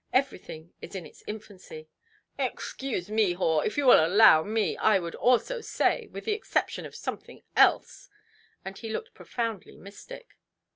Everything is in its infancy". "Excuse me; haw! If you will allow me, I would also say, with the exception of something else". And he looked profoundly mystic.